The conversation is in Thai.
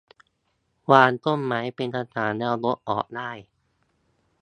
วางต้นไม้เป็นกระถางแล้วยกออกได้